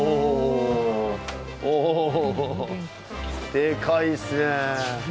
でかいっすね。